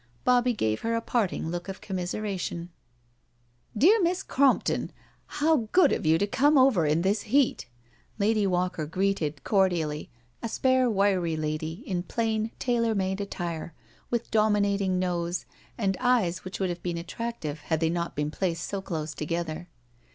Bobbie gave her a parting look of conuniseration. BRACKENHILL HALL 47 " Dear Miss Crompton, how good of you to come over in this heat I" Lady Walker greeted cordially a spare wiry lady in plain tailor made attire, with domi nating nose, and eyes which would have been attractive had they not been placed so close together.